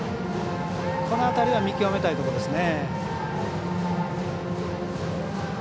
この辺りは見極めたいところですよね。